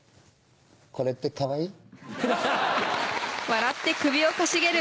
これってかわいい？